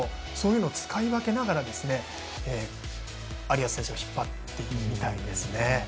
そういうのを使い分けながら有安選手を引っ張っているみたいなんですね。